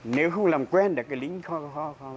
nếu không làm quen thì cái lính kho có kho